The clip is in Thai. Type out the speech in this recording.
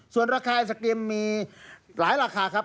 ส่วนราคาไอศกรีมมีหลายราคาครับ